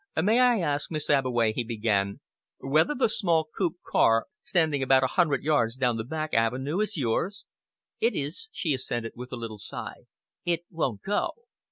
"May I ask, Miss Abbeway," he began, "whether the small coupe car, standing about a hundred yards down the back avenue, is yours?" "It is," she assented, with a little sigh. "It won't go."